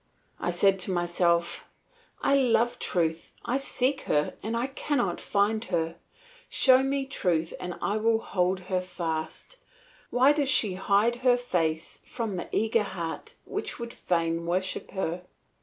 I said to myself, "I love truth, I seek her, and cannot find her. Show me truth and I will hold her fast; why does she hide her face from the eager heart that would fain worship her?"